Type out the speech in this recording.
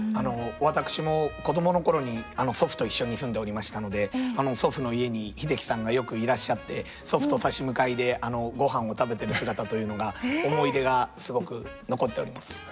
私も子供の頃に祖父と一緒に住んでおりましたので祖父の家に英樹さんがよくいらっしゃって祖父と差し向かいでごはんを食べてる姿というのが思い出がすごく残っております。